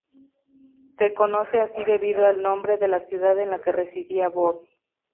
Se conoce así debido al nombre de la ciudad en la que residía Bohr.